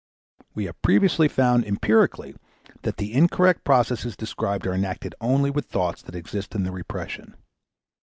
We have previously found, empirically, that the incorrect processes described are enacted only with thoughts that exist in the repression.